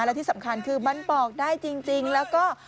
และที่สำคัญคือมันปอกได้จริงแล้วก็